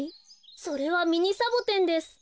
それはミニサボテンです。